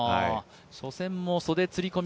初戦も袖釣り込み